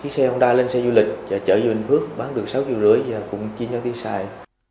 xe hông đa lên xe du lịch chở về bình phước bán được sáu năm triệu và cùng chi nhau tiêu xài